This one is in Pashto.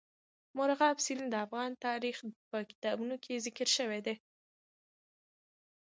مورغاب سیند د افغان تاریخ په کتابونو کې ذکر شوی دي.